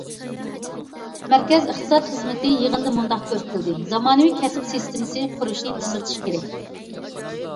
مەركەز ئىقتىساد خىزمىتى يىغىنىدا مۇنداق كۆرسىتىلدى: زامانىۋى كەسىپ سىستېمىسى قۇرۇشنى تېزلىتىش كېرەك.